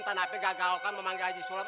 tandape gagal kan memanggil aja sulam